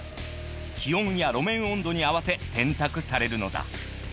気温や路面温度に合わせ選択されるのだ。